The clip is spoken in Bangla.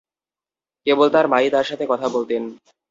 কেবল তার মা-ই তার সাথে কথা বলতেন।